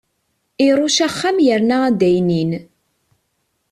Irucc axxam yerna addaynin.